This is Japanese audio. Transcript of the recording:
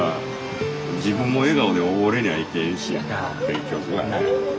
自分も笑顔でおれにゃいけんし結局はな。